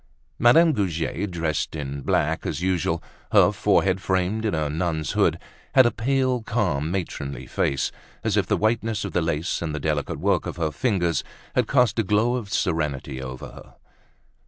Madame Goujet, dressed in black as usual, her forehead framed in a nun's hood, had a pale, calm, matronly face, as if the whiteness of the lace and the delicate work of her fingers had cast a glow of serenity over her.